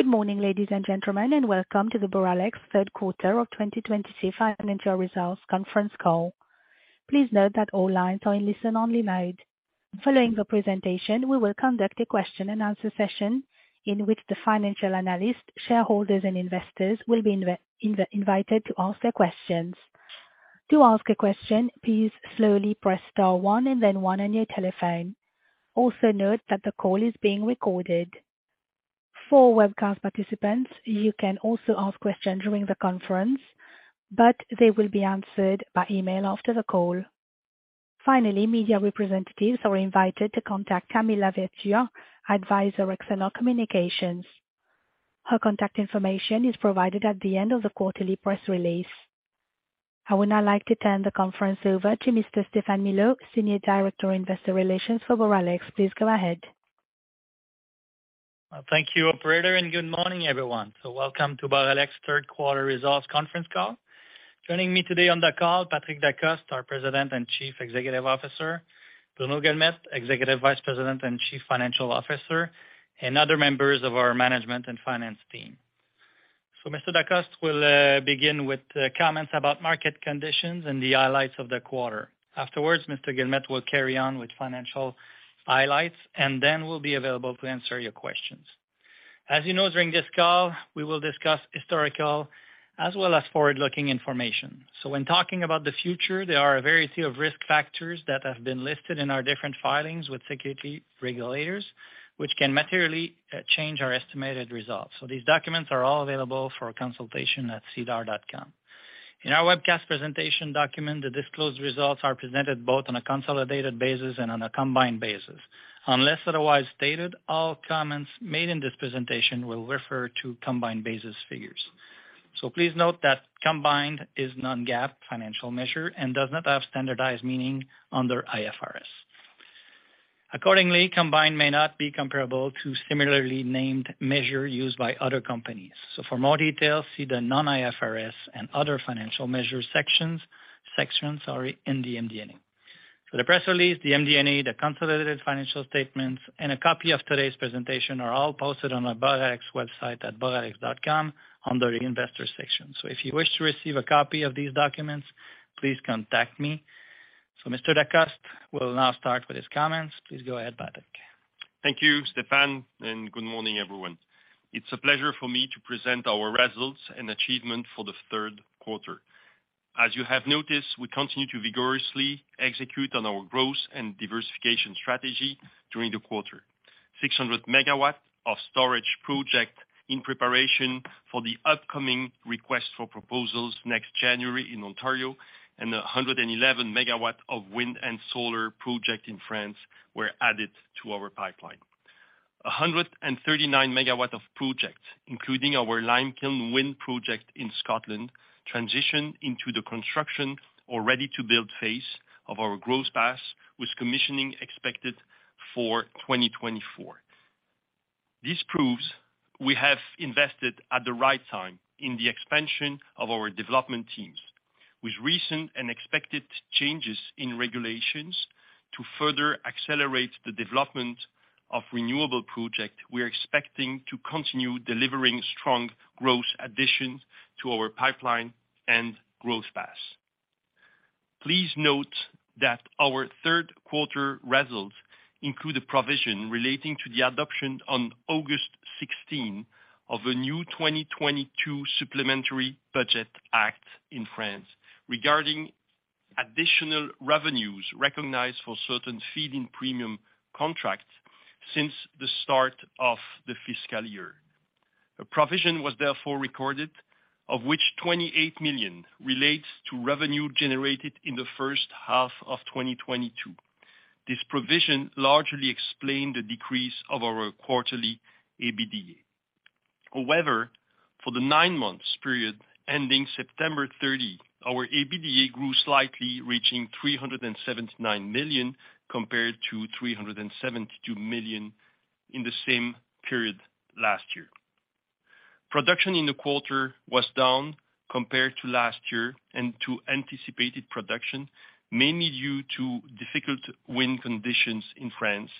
Good morning, ladies and gentlemen, and welcome to the Boralex third quarter of 2022 financial results conference call. Please note that all lines are in listen-only mode. Following the presentation, we will conduct a question-and-answer session in which the financial analyst, shareholders and investors will be invited to ask their questions. To ask a question, please slowly press star one and then one on your telephone. Also note that the call is being recorded. For webcast participants, you can also ask questions during the conference, but they will be answered by email after the call. Finally, media representatives are invited to contact Camille Laventure, Advisor, External Communications. Her contact information is provided at the end of the quarterly press release. I would now like to turn the conference over to Mr. Stéphane Milot, Senior Director, Investor Relations for Boralex. Please go ahead. Thank you, operator, and good morning, everyone. Welcome to Boralex third quarter results conference call. Joining me today on the call, Patrick Decostre, our President and Chief Executive Officer, Bruno Guilmette, Executive Vice President and Chief Financial Officer, and other members of our management and finance team. Mr. Decostre will begin with comments about market conditions and the highlights of the quarter. Afterwards, Mr. Guilmette will carry on with financial highlights, and then we'll be available to answer your questions. As you know during this call, we will discuss historical as well as forward-looking information. When talking about the future, there are a variety of risk factors that have been listed in our different filings with security regulators, which can materially change our estimated results. These documents are all available for consultation at sedar.com. In our webcast presentation document, the disclosed results are presented both on a consolidated basis and on a combined basis. Unless otherwise stated, all comments made in this presentation will refer to combined basis figures. Please note that combined is non-GAAP financial measure and does not have standardized meaning under IFRS. Accordingly, combined may not be comparable to similarly named measure used by other companies. For more details, see the non-IFRS and other financial measure sections in the MD&A. For the press release, the MD&A, the consolidated financial statements, and a copy of today's presentation are all posted on our Boralex website at boralex.com under the Investor section. If you wish to receive a copy of these documents, please contact me. Mr. Decostre will now start with his comments. Please go ahead, Patrick. Thank you, Stéphane, and good morning, everyone. It's a pleasure for me to present our results and achievement for the third quarter. As you have noticed, we continue to vigorously execute on our growth and diversification strategy during the quarter. 600 MW of storage project in preparation for the upcoming request for proposals next January in Ontario and 111 MW of wind and solar project in France were added to our pipeline. 139 MW of project, including our Limekiln Wind project in Scotland, transitioned into the construction or ready to build phase of our growth path, with commissioning expected for 2024. This proves we have invested at the right time in the expansion of our development teams. With recent and expected changes in regulations to further accelerate the development of renewable project, we are expecting to continue delivering strong growth additions to our pipeline and growth path. Please note that our third quarter results include a provision relating to the adoption on August 16 of a new 2022 Supplementary Budget Act in France regarding additional revenues recognized for certain feed-in premium contracts since the start of the fiscal year. A provision was therefore recorded, of which 28 million relates to revenue generated in the first half of 2022. This provision largely explained the decrease of our quarterly EBITDA. However, for the nine months period ending September 30, our EBITDA grew slightly, reaching 379 million, compared to 372 million in the same period last year. Production in the quarter was down compared to last year and to anticipated production, mainly due to difficult wind conditions in France,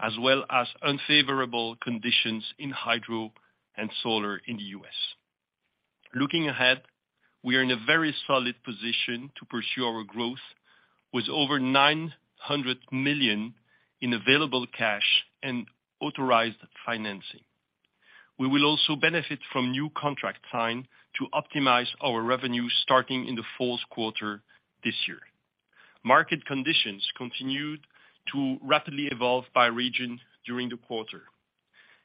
as well as unfavorable conditions in hydro and solar in the U.S. Looking ahead, we are in a very solid position to pursue our growth, with over 900 million in available cash and authorized financing. We will also benefit from new contract signed to optimize our revenue starting in the fourth quarter this year. Market conditions continued to rapidly evolve by region during the quarter.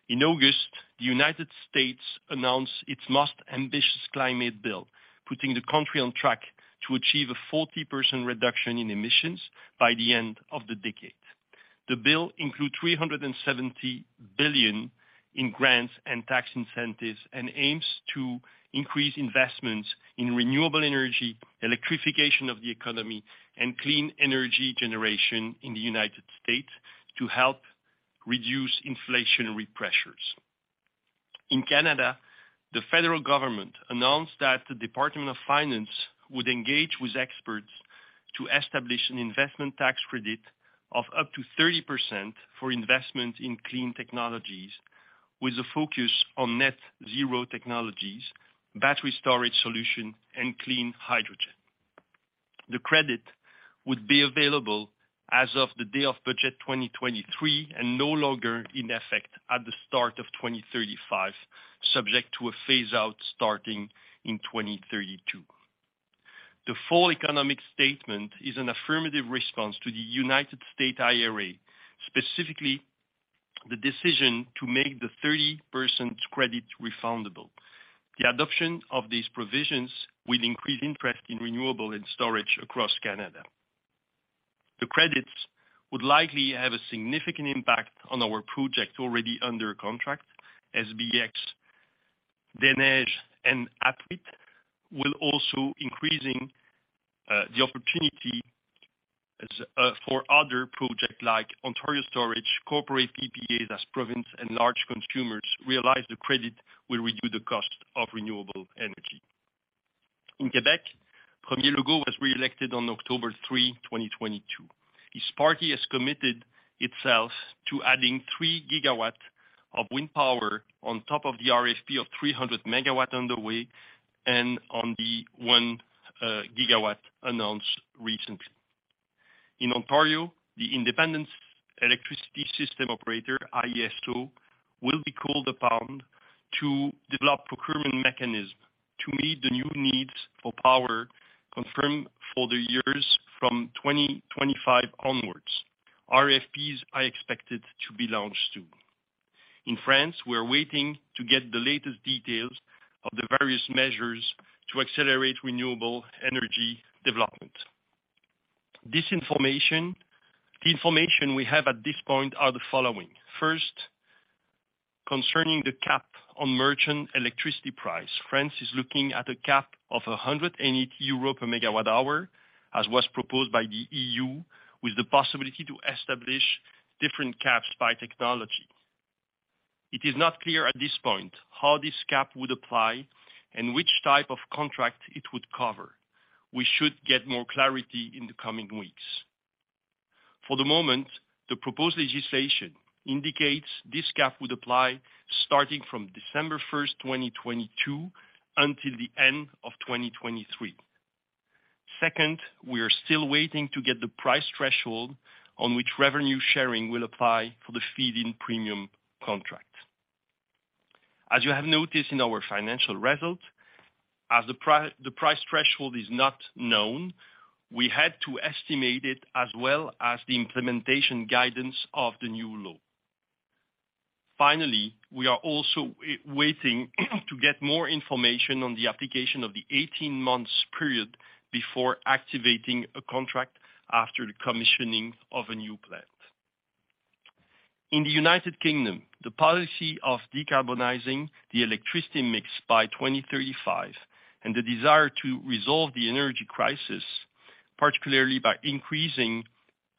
In August, the United States announced its most ambitious climate bill, putting the country on track to achieve a 40% reduction in emissions by the end of the decade. The bill includes $370 billion in grants and tax incentives and aims to increase investments in renewable energy, electrification of the economy, and clean energy generation in the United States to help reduce inflationary pressures. In Canada, the federal government announced that the Department of Finance would engage with experts to establish an investment tax credit of up to 30% for investment in clean technologies, with a focus on net zero technologies, battery storage solution and clean hydrogen. The credit would be available as of the day of Budget 2023 and no longer in effect at the start of 2035, subject to a phase out starting in 2032. The Fall Economic Statement is an affirmative response to the United States IRA, specifically the decision to make the 30% credit refundable. The adoption of these provisions will increase interest in renewable and storage across Canada. The credits would likely have a significant impact on our project already under contract. SBX, Des Neiges and Apuiat will also increase the opportunity as for other project like Ontario storage, corporate PPAs as province and large consumers realize the credit will reduce the cost of renewable energy. In Quebec, Premier Legault was re-elected on October 3, 2022. His party has committed itself to adding 3 GW of wind power on top of the RSP of 300 MW on the way and on the 1 GW announced recently. In Ontario, the Independent Electricity System Operator, IESO, will be called upon to develop procurement mechanism to meet the new needs for power confirmed for the years from 2025 onwards. RFPs are expected to be launched soon. In France, we are waiting to get the latest details of the various measures to accelerate renewable energy development. The information we have at this point are the following. First, concerning the cap on merchant electricity price, France is looking at a cap of 180 euros per megawatt hour, as was proposed by the EU, with the possibility to establish different caps by technology. It is not clear at this point how this cap would apply and which type of contract it would cover. We should get more clarity in the coming weeks. For the moment, the proposed legislation indicates this cap would apply starting from December 1st, 2022 until the end of 2023. Second, we are still waiting to get the price threshold on which revenue sharing will apply for the feed-in premium contract. As you have noticed in our financial results, as the price threshold is not known, we had to estimate it as well as the implementation guidance of the new law. Finally, we are also waiting to get more information on the application of the 18 months period before activating a contract after the commissioning of a new plant. In the United Kingdom, the policy of decarbonizing the electricity mix by 2035 and the desire to resolve the energy crisis, particularly by increasing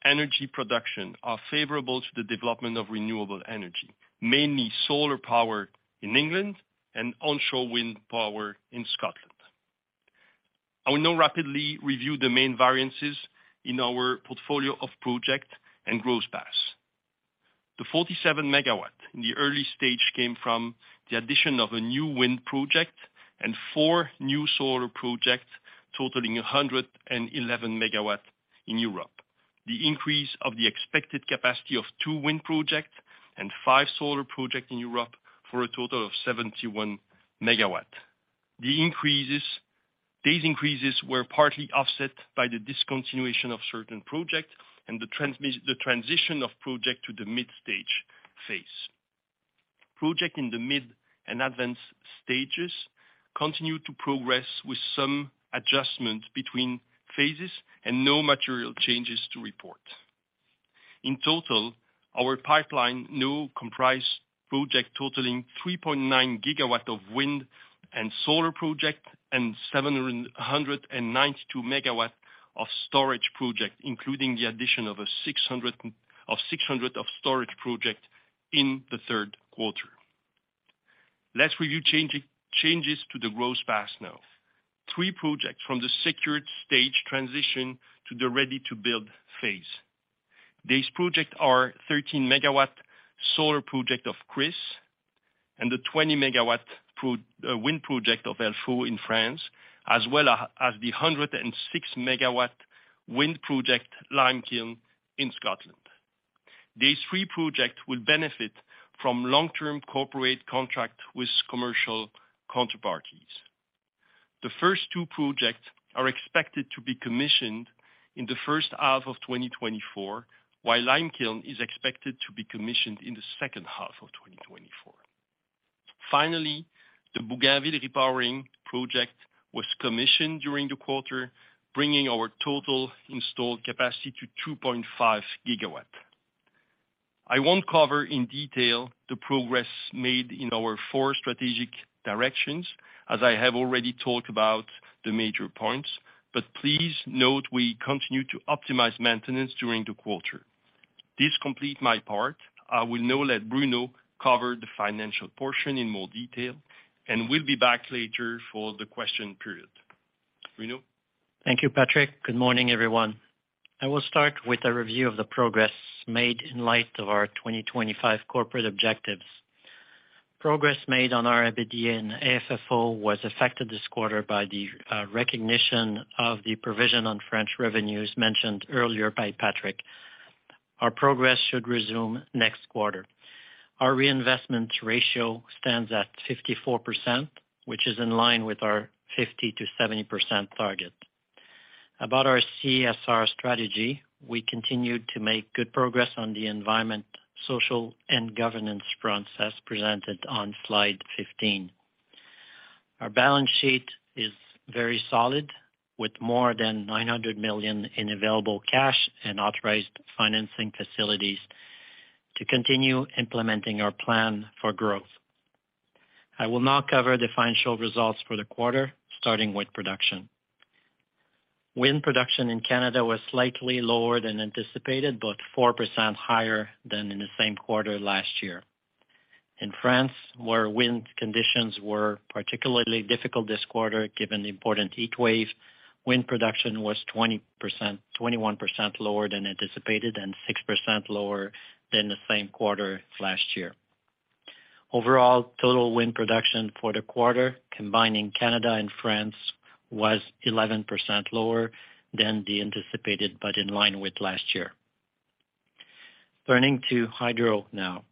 energy production, are favorable to the development of renewable energy, mainly solar power in England and onshore wind power in Scotland. I will now rapidly review the main variances in our portfolio of project and growth paths. The 47 MW in the early stage came from the addition of a new wind project and four new solar projects totaling 111 MW in Europe. The increase of the expected capacity of two wind projects and five solar projects in Europe for a total of 71 MW. The increases were partly offset by the discontinuation of certain projects and the transition of project to the mid-stage phase. Project in the mid and advanced stages continue to progress with some adjustment between phases and no material changes to report. In total, our pipeline now comprise project totaling 3.9 GW of wind and solar project and 792 MW of storage project, including the addition of 600 MW of storage project in the third quarter. Let's review changes to the growth paths now. Three projects from the secured stage transition to the ready-to-build phase. These projects are 13-MW solar project of Cruis and the 20-MW wind project of Helfaut in France, as well as the 106-MW wind project, Limekiln in Scotland. These three projects will benefit from long-term corporate contract with commercial counterparties. The first two projects are expected to be commissioned in the first half of 2024, while Limekiln is expected to be commissioned in the second half of 2024. Finally, the Bougainville Repowering project was commissioned during the quarter, bringing our total installed capacity to 2.5 GW. I won't cover in detail the progress made in our four strategic directions, as I have already talked about the major points, but please note we continue to optimize maintenance during the quarter. This completes my part. I will now let Bruno cover the financial portion in more detail, and we'll be back later for the question period. Bruno? Thank you, Patrick. Good morning, everyone. I will start with a review of the progress made in light of our 2025 corporate objectives. Progress made on our EBITDA and AFFO was affected this quarter by the recognition of the provision on French revenues mentioned earlier by Patrick. Our progress should resume next quarter. Our reinvestment ratio stands at 54%, which is in line with our 50%-70% target. About our CSR strategy, we continued to make good progress on the environment, social and governance fronts, as presented on Slide 15. Our balance sheet is very solid, with more than 900 million in available cash and authorized financing facilities to continue implementing our plan for growth. I will now cover the financial results for the quarter, starting with production. Wind production in Canada was slightly lower than anticipated, but 4% higher than in the same quarter last year. In France, where wind conditions were particularly difficult this quarter, given the important heat wave, wind production was 21% lower than anticipated and 6% lower than the same quarter last year. Overall, total wind production for the quarter, combining Canada and France, was 11% lower than anticipated, but in line with last year. Turning to hydro now.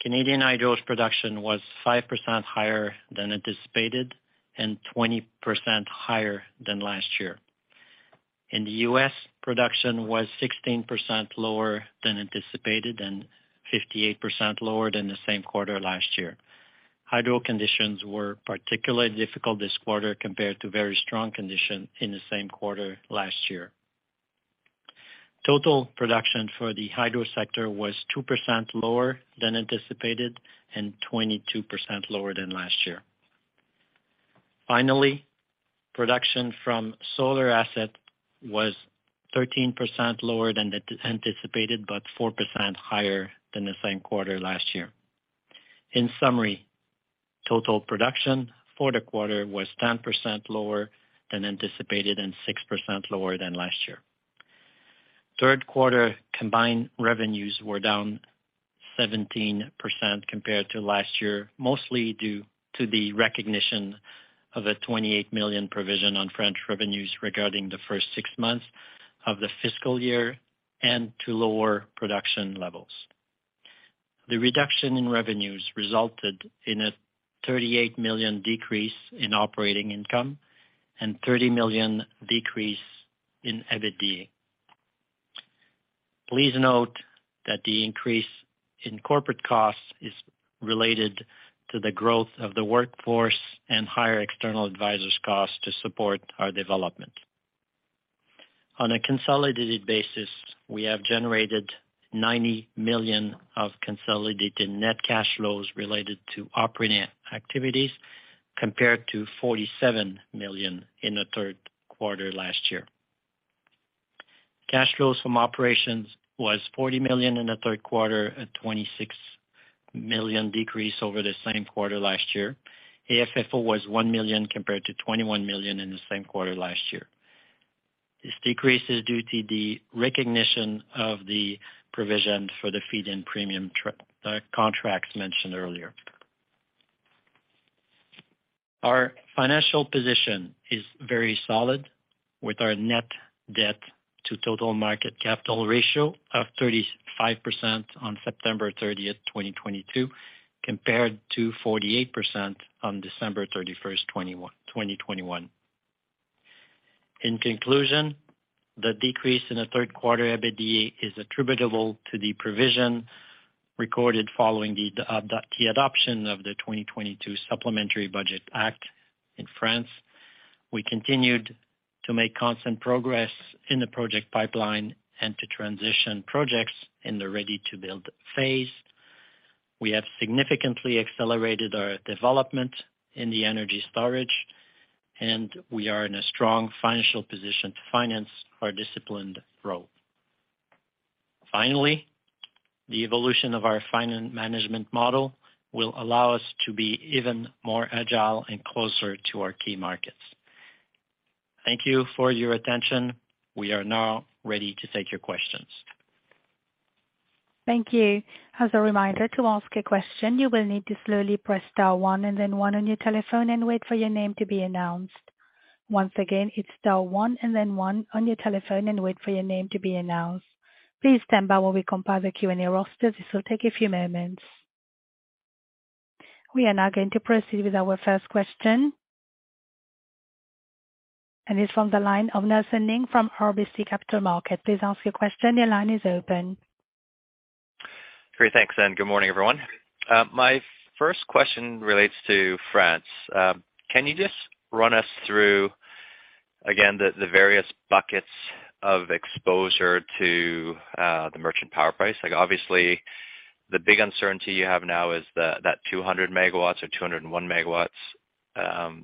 Canadian hydro's production was 5% higher than anticipated and 20% higher than last year. In the U.S., production was 16% lower than anticipated and 58% lower than the same quarter last year. Hydro conditions were particularly difficult this quarter compared to very strong condition in the same quarter last year. Total production for the hydro sector was 2% lower than anticipated and 22% lower than last year. Finally, production from solar asset was 13% lower than anticipated, but 4% higher than the same quarter last year. In summary, total production for the quarter was 10% lower than anticipated and 6% lower than last year. Third quarter combined revenues were down 17% compared to last year, mostly due to the recognition of a 28 million provision on French revenues regarding the first six months of the fiscal year and to lower production levels. The reduction in revenues resulted in a 38 million decrease in operating income and 30 million decrease in EBITDA. Please note that the increase in corporate costs is related to the growth of the workforce and higher external advisors costs to support our development. On a consolidated basis, we have generated 90 million of consolidated net cash flows related to operating activities, compared to 47 million in the third quarter last year. Cash flows from operations was 40 million in the third quarter, a 26 million decrease over the same quarter last year. AFFO was 1 million compared to 21 million in the same quarter last year. This decrease is due to the recognition of the provision for the feed-in premium contracts mentioned earlier. Our financial position is very solid, with our net debt to total market capital ratio of 35% on September 30th, 2022, compared to 48% on December 31st, 2021. In conclusion, the decrease in the third quarter EBITDA is attributable to the provision recorded following the adoption of the 2022 Supplementary Budget Act in France. We continued to make constant progress in the project pipeline and to transition projects in the ready-to-build phase. We have significantly accelerated our development in the energy storage, and we are in a strong financial position to finance our disciplined growth. Finally, the evolution of our finance management model will allow us to be even more agile and closer to our key markets. Thank you for your attention. We are now ready to take your questions. Thank you. As a reminder, to ask a question, you will need to slowly press star one and then one on your telephone and wait for your name to be announced. Once again, it's star one and then one on your telephone and wait for your name to be announced. Please stand by while we compile the Q&A roster. This will take a few moments. We are now going to proceed with our first question. It's from the line of Nelson Ng from RBC Capital Markets. Please ask your question. Your line is open. Great. Thanks, and good morning, everyone. My first question relates to France. Can you just run us through, again, the various buckets of exposure to the merchant power price? The big uncertainty you have now is that 200 MW or 201 MW.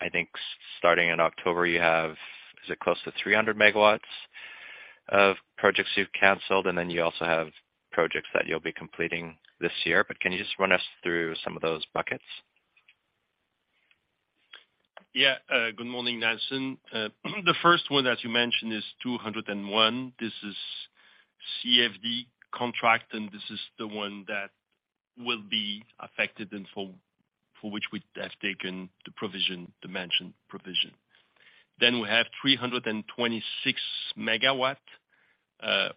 I think starting in October, you have, is it close to 300 MW of projects you've canceled? You also have projects that you'll be completing this year. Can you just run us through some of those buckets? Yeah. Good morning, Nelson. The first one, as you mentioned, is 201. This is CFD contract, and this is the one that will be affected and for which we have taken the provision, the mentioned provision. Then we have 326 MW,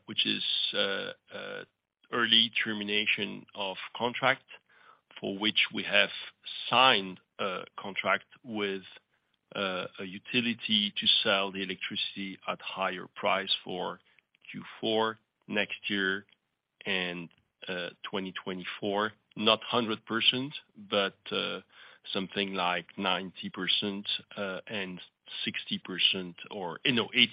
which is an early termination of contract for which we have signed a contract with a utility to sell the electricity at higher price for Q4 next year and 2024, not 100%, but something like 90% and 60% or you know 80%,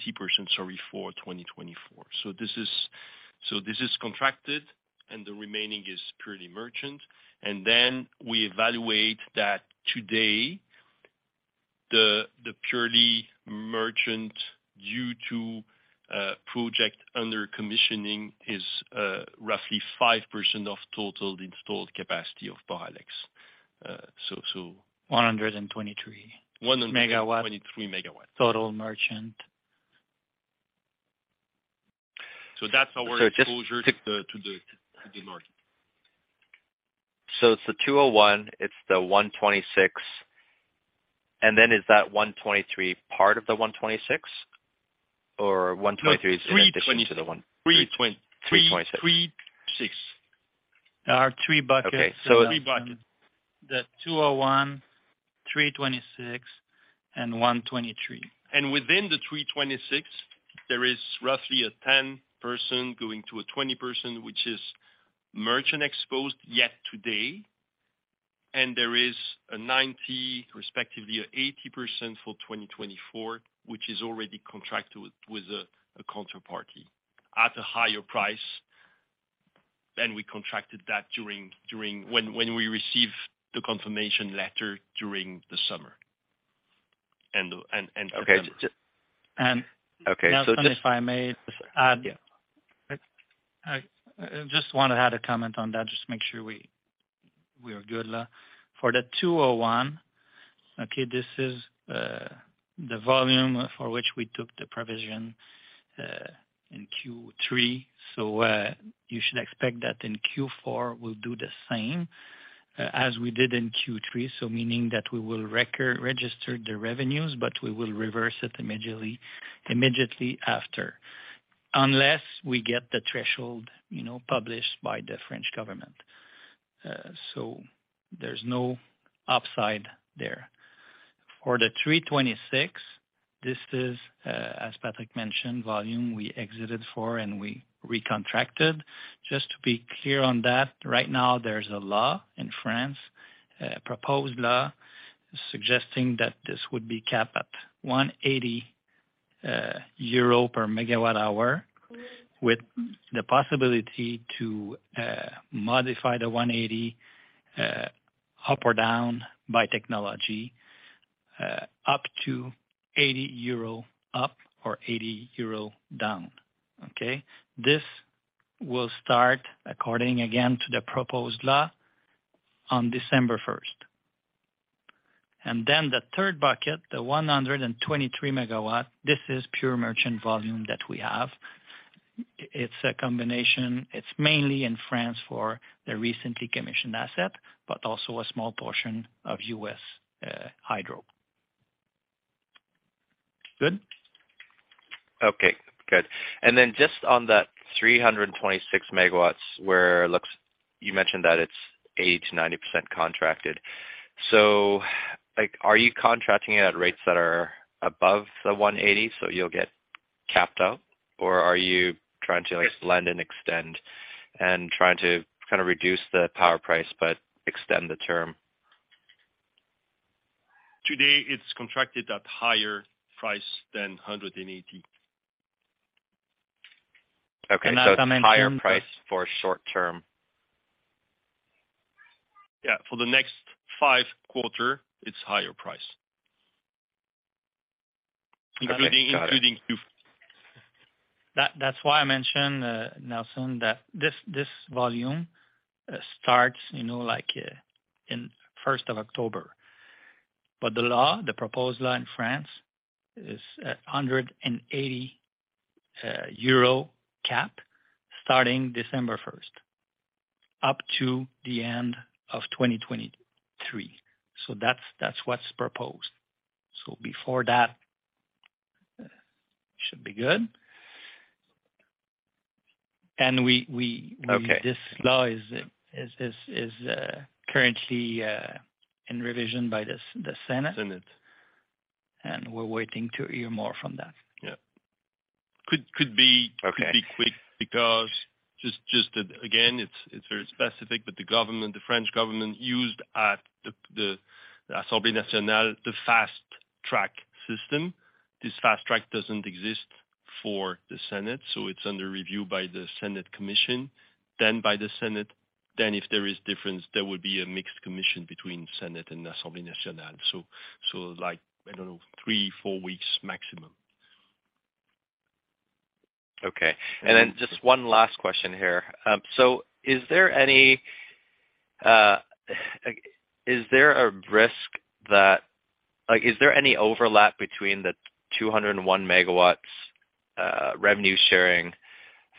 sorry, for 2024. This is contracted, and the remaining is purely merchant. We evaluate that today, the purely merchant due to a project under commissioning is roughly 5% of total installed capacity of Boralex. Uh, so- 123- 123 MW MW. Total merchant. That's our exposure to the mar- It's the 201, it's the 126. Is that 123 part of the 126? 123 is in addition to the one- No. 326 MW. 3.6. There are three buckets. Okay. The three buckets. The 201 MW, 326 MW and 123 MW. Within the 326 MW, there is roughly a 10% going to a 20%, which is merchant exposed yet today. There is a 90%, respectively, an 80% for 2024, which is already contracted with a counterparty at a higher price than we contracted that during. When we received the confirmation letter during the summer and November. Okay. And- Okay. Nelson, if I may add? Yeah. I just want to add a comment on that, just to make sure we are good. For the 201 MW, okay, this is the volume for which we took the provision in Q3. You should expect that in Q4, we'll do the same as we did in Q3. Meaning that we will register the revenues, but we will reverse it immediately after. Unless we get the threshold, you know, published by the French government. There's no upside there. For the 326 MW, this is, as Patrick mentioned, volume we exited for and we recontracted. Just to be clear on that, right now there's a law in France, a proposed law suggesting that this would be capped at 180 euro per megawatt hour, with the possibility to modify the 180 up or down by technology up to 80 euro up or 80 euro down. This will start according again to the proposed law on December 1st. The third bucket, the 123-MW, this is pure merchant volume that we have. It's a combination, it's mainly in France for the recently commissioned asset, but also a small portion of U.S. hydro. Good? Okay, good. Just on that 326 MW, where it looks, you mentioned that it's 80%-90% contracted. Like, are you contracting it at rates that are above the 180, so you'll get capped out? Or are you trying to like lend and extend and trying to kind of reduce the power price but extend the term? Today, it's contracted at higher price than 180. Okay. It's higher price for short term. Yeah. For the next five quarters, it's higher prices. Okay. Got it. Including you. That's why I mentioned, Nelson, that this volume starts, you know, like, in first of October. The law, the proposed law in France is at 180 euro cap starting December 1st, up to the end of 2023. That's what's proposed. Before that, should be good. We Okay. This law is currently in revision by the Senate. Senate. We're waiting to hear more from that. Yeah. Could be. Okay. Could be quick because just again, it's very specific, but the government, the French government used at the Assemblée Nationale the fast-track system. This fast track doesn't exist for the Senate, so it's under review by the Senate commission, then by the Senate. Then if there is difference, there would be a mixed commission between Senate and Assemblée Nationale. Like, I don't know, three, four weeks maximum. Okay. Just one last question here. So is there a risk that like is there any overlap between the 201 MW revenue sharing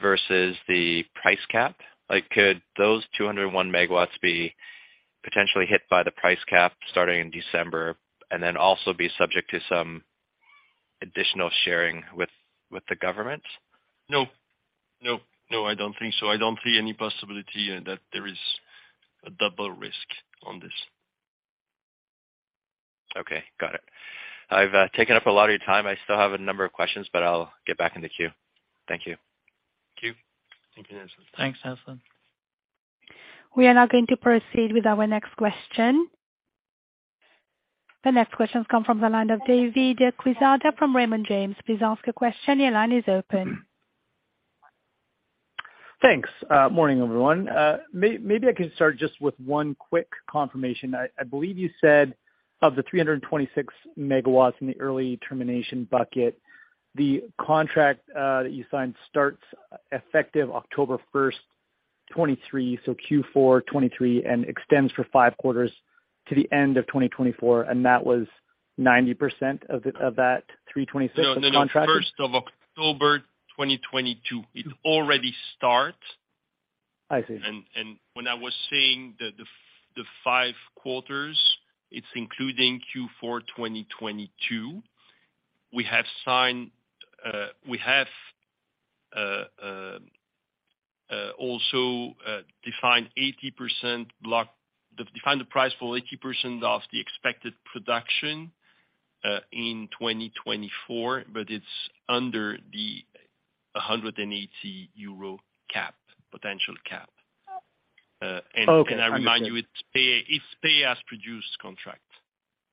versus the price cap? Like could those 201 MW be potentially hit by the price cap starting in December and then also be subject to some additional sharing with the government? No, no. No, I don't think so. I don't see any possibility that there is a double risk on this. Okay, got it. I've taken up a lot of your time. I still have a number of questions, but I'll get back in the queue. Thank you. Thank you. Thank you, Nelson. Thanks, Nelson. We are now going to proceed with our next question. The next question comes from the line of David Quezada from Raymond James. Please ask your question. Your line is open. Thanks. Morning, everyone. Maybe I can start just with one quick confirmation. I believe you said of the 326 MW in the early termination bucket, the contract that you signed starts effective October 1st, 2023, so Q4 2023, and extends for five quarters to the end of 2024, and that was 90% of that 326 MW contract? No, no. First of October 2022. It already start. I see. When I was saying the five quarters, it's including Q4 2022. We have signed. We have also defined the price for 80% of the expected production in 2024, but it's under the 180 euro cap, potential cap. Oh, okay. I remind you, it's pay as produced contract.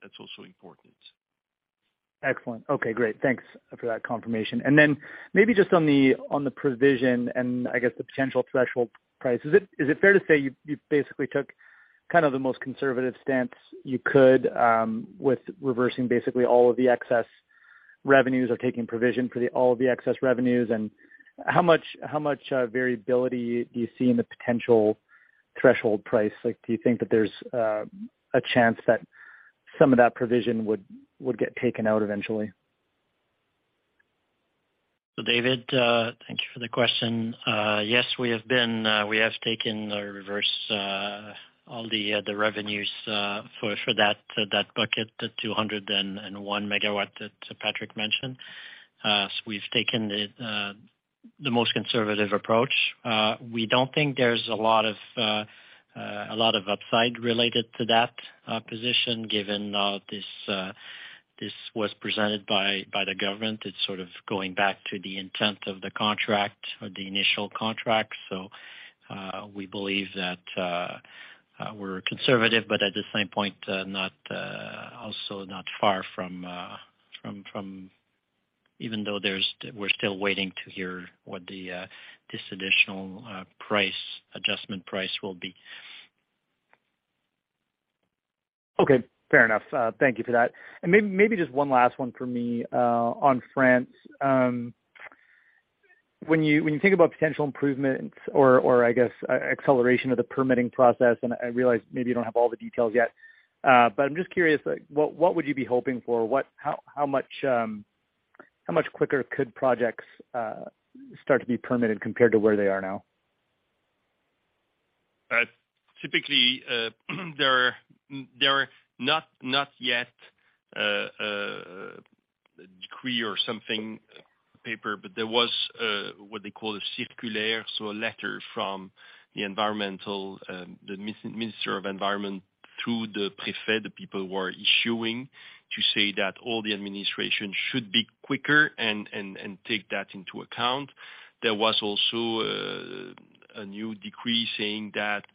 That's also important. Excellent. Okay, great. Thanks for that confirmation. Maybe just on the provision and I guess the potential threshold price, is it fair to say you basically took kind of the most conservative stance you could with reversing basically all of the excess revenues or taking provision for all of the excess revenues, and how much variability do you see in the potential threshold price? Like, do you think that there's a chance that some of that provision would get taken out eventually? David, thank you for the question. Yes, we have taken a reserve all the revenues for that bucket, the 201 MW that Patrick mentioned. We've taken the most conservative approach. We don't think there's a lot of upside related to that position, given this was presented by the government. It's sort of going back to the intent of the contract or the initial contract. We believe that we're conservative, but at the same point, also not far from. Even though we're still waiting to hear what this additional price adjustment price will be. Okay, fair enough. Thank you for that. Maybe just one last one for me, on France. When you think about potential improvements or I guess acceleration of the permitting process, and I realize maybe you don't have all the details yet, but I'm just curious, like what would you be hoping for? What? How much quicker could projects start to be permitted compared to where they are now? Typically, there are not yet decree or something paper, but there was what they call a circulaire, so a letter from the environmental minister of environment through the préfet, the people who are issuing, to say that all the administration should be quicker and take that into account. There was also a new decree saying that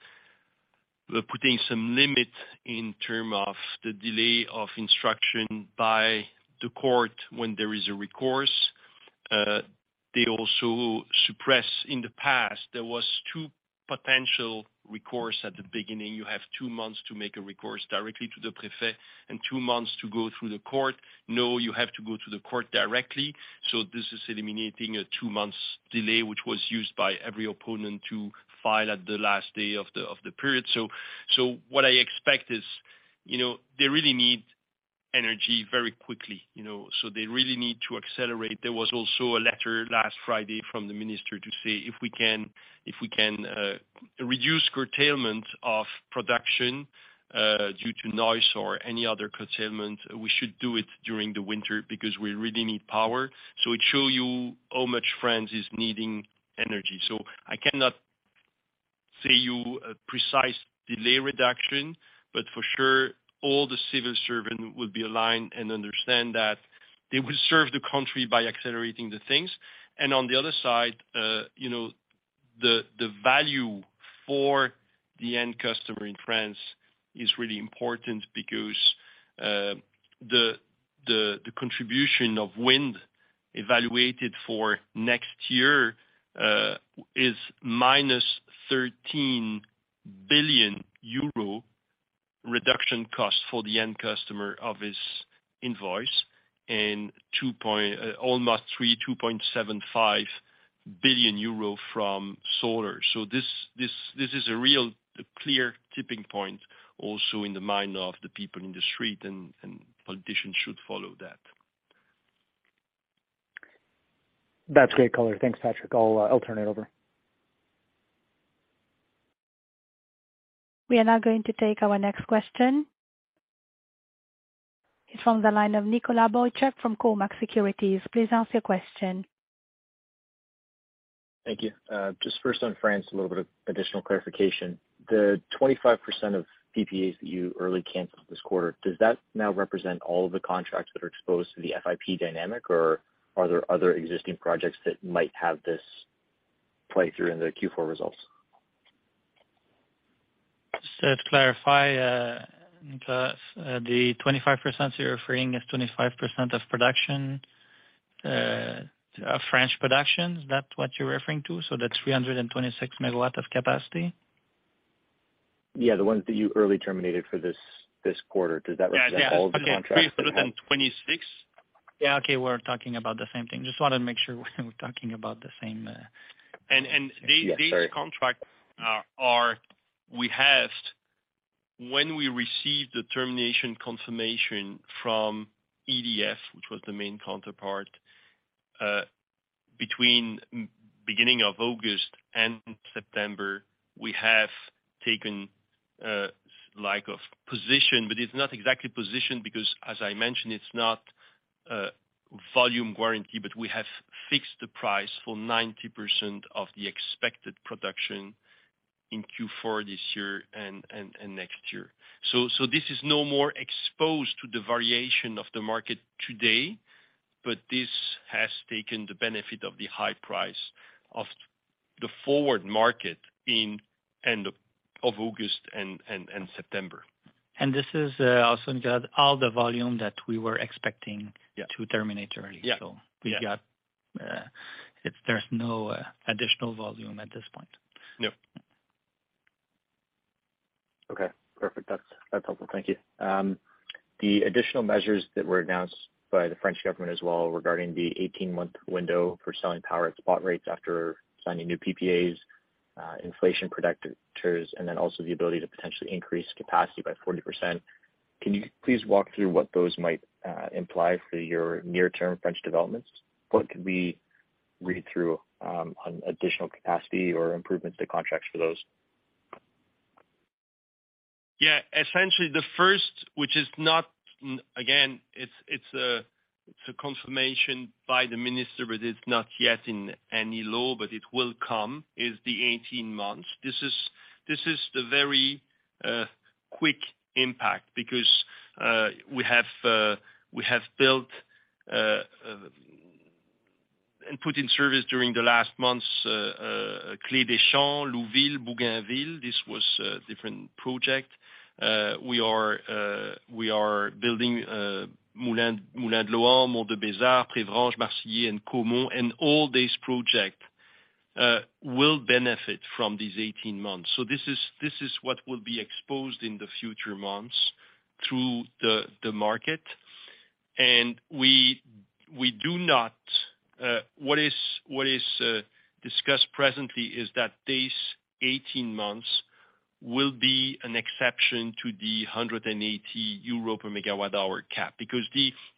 we're putting some limit in term of the delay of instruction by the court when there is a recourse. They also suppress. In the past, there was two potential recourse at the beginning. You have two months to make a recourse directly to the préfet and two months to go through the court. No, you have to go to the court directly, so this is eliminating a two months delay, which was used by every opponent to file at the last day of the period. What I expect is, you know, they really need energy very quickly, you know, so they really need to accelerate. There was also a letter last Friday from the minister to say if we can reduce curtailment of production due to noise or any other curtailment, we should do it during the winter because we really need power. It show you how much France is needing energy. I cannot say you a precise delay reduction, but for sure, all the civil servant will be aligned and understand that they will serve the country by accelerating the things. On the other side, you know, the value for the end customer in France is really important because the contribution of wind evaluated for next year is -13 billion euro reduction cost for the end customer of his invoice, and 2.75 billion euro from solar. This is a real clear tipping point also in the mind of the people in the street, and politicians should follow that. That's great color. Thanks, Patrick. I'll turn it over. We are now going to take our next question. It's from the line of Nicholas Boychuk from Cormark Securities. Please ask your question. Thank you. Just first on France, a little bit of additional clarification. The 25% of PPAs that you early canceled this quarter, does that now represent all of the contracts that are exposed to the FIP dynamic, or are there other existing projects that might have this play through in the Q4 results? To clarify, Nicholas, the 25% you're referring is 25% of production, of French production, is that what you're referring to? The 326 MW of capacity? Yeah, the ones that you early terminated for this quarter. Does that represent all of the contracts? Yeah. Okay, 326 MW. Yeah, okay, we're talking about the same thing. Just wanted to make sure we're talking about the same thing. And, and these- Yeah, sorry. These contracts are, we have when we receive the termination confirmation from EDF, which was the main counterparty, between beginning of August and September, we have taken a lock position, but it's not exactly position because as I mentioned, it's not volume guarantee, but we have fixed the price for 90% of the expected production in Q4 this year and next year. This is no more exposed to the variation of the market today, but this has taken the benefit of the high price of the forward market at the end of August and September. This is also all the volume that we were expecting. Yeah. To terminate early. Yeah. Yeah. There's no additional volume at this point. No. Okay. Perfect. That's, that's helpful. Thank you. The additional measures that were announced by the French government as well, regarding the 18-month window for selling power at spot rates after signing new PPAs, inflation protectors, and then also the ability to potentially increase capacity by 40%. Can you please walk through what those might imply for your near-term French developments? What could we read through on additional capacity or improvements to contracts for those? Essentially the first, which is not a confirmation by the minister, but it's not yet in any law, but it will come, is the 18 months. This is the very quick impact because we have built and put in service during the last months La Clé des Champs, Louville, Bougainville,, this was a different project. We are building Moulins du Lohan, Mont de Bézard, Préveranges, Marcilly, and Caumont, and all these projects will benefit from these 18 months. This is what will be exposed in the future months through the market. What is discussed presently is that these 18 months will be an exception to the 180 euro per megawatt hour cap. Because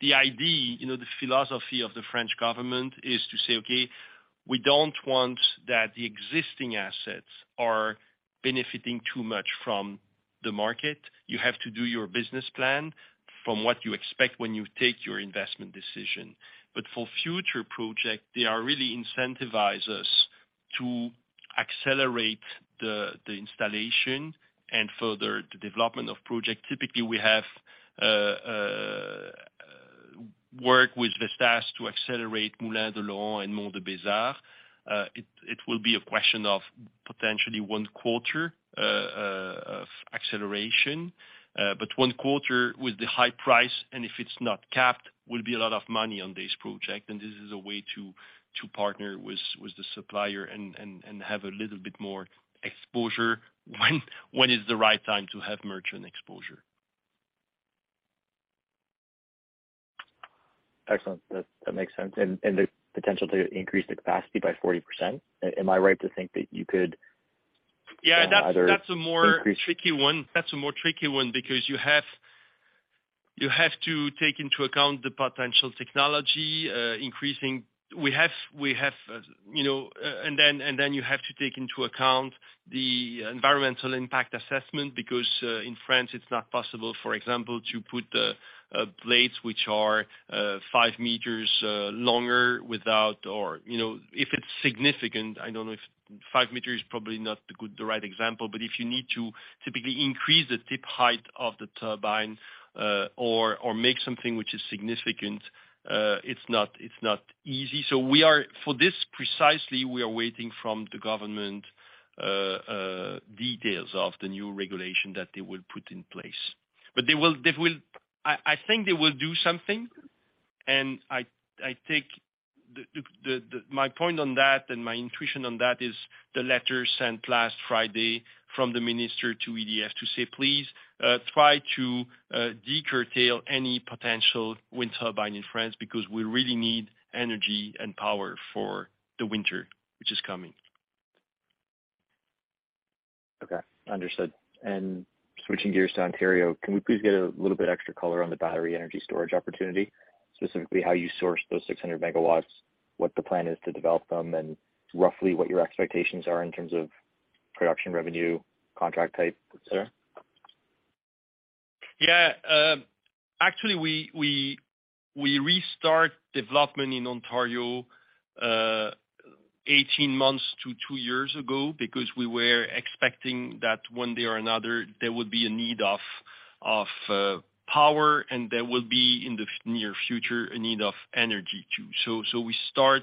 the idea, you know, the philosophy of the French government is to say, "Okay, we don't want that the existing assets are benefiting too much from the market. You have to do your business plan from what you expect when you take your investment decision." For future project, they are really incentivize us to accelerate the installation and further the development of project. Typically, we have worked with Vestas to accelerate Moulins du Lohan and Mont de Bézard. It will be a question of potentially one quarter of acceleration. One quarter with the high price, and if it's not capped, will be a lot of money on this project. This is a way to partner with the supplier and have a little bit more exposure when is the right time to have merchant exposure. Excellent. That makes sense. The potential to increase the capacity by 40%. Am I right to think that you could? Yeah. That's a more tricky one. Either increase- That's a more tricky one because you have to take into account the potential technology increasing. You know and then you have to take into account the environmental impact assessment, because in France, it's not possible, for example, to put blades which are five meters longer without, you know, if it's significant. I don't know if five meters is probably not the right example, but if you need to typically increase the tip height of the turbine or make something which is significant, it's not easy. For this precisely, we are waiting for the government details of the new regulation that they will put in place. They will do something. I think my point on that and my intuition on that is the letter sent last Friday from the minister to EDF to say please, try to decurtail any potential wind turbine in France because we really need energy and power for the winter, which is coming. Okay. Understood. Switching gears to Ontario, can we please get a little bit extra color on the battery energy storage opportunity, specifically how you source those 600 MW, what the plan is to develop them, and roughly what your expectations are in terms of production revenue, contract type, et cetera? Actually, we restart development in Ontario 18 months to two years ago because we were expecting that one day or another there would be a need of power and there will be in the near future a need of energy too. We start